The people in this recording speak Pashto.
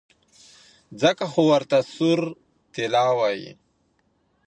ځکه خو ورته سور طلا وايي.